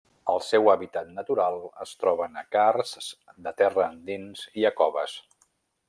El seu hàbitat natural es troben a carsts de terra endins i a coves.